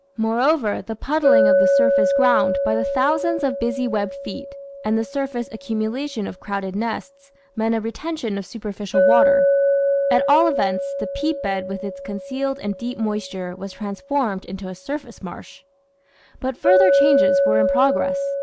Moreover, the puddling of the surface ground by the thousands of busy webbed feet, and the surface accumula tion of crowded nests, meant a retention of superficial water. At all events, the peat bed with its concealed and deep moisture was transformed into a surface marsh. Inter Relations of Living Creatures 661 But further changes were in progress.